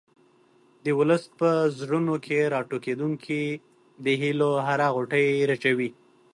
د ولس په زړونو کې راټوکېدونکې د هیلو هره غوټۍ رژوي.